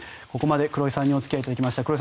ここまで黒井さんにお付き合いいただきました。